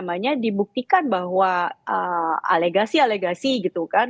dibuktikan bahwa alegasi alegasi gitu kan